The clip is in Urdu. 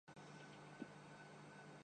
بڑی اچھی باتیں ہیں۔